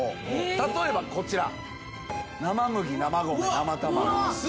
例えばこちら。